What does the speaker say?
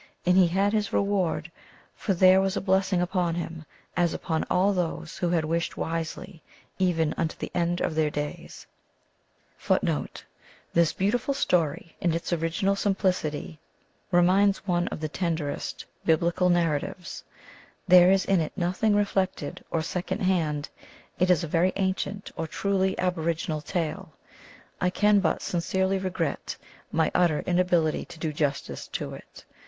And he had his reward, for there was a blessing upon him as upon all those who had wished wisely even unto the end of their days. 1 1 This beautiful story, in its original simplicity, reminds one of the tenderest biblical narratives. There is in it nothing reflected or second hand ; it is a very ancient or truly aboriginal tale. I can but sincerely regret my utter inability to do justice to it.